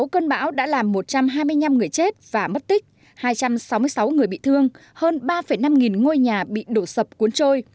sáu cơn bão đã làm một trăm hai mươi năm người chết và mất tích hai trăm sáu mươi sáu người bị thương hơn ba năm nghìn ngôi nhà bị đổ sập cuốn trôi